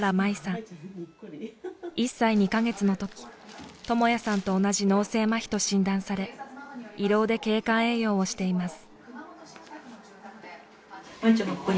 １歳２カ月の時朋也さんと同じ脳性まひと診断され胃ろうで経管栄養をしています。